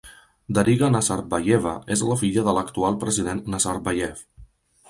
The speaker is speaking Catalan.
Dariga Nazarbayeva és la filla de l'actual president Nazarbayev.